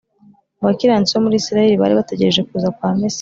Mu bakiranutsi bo muri Isiraheli bari bategereje kuza kwa Mesiya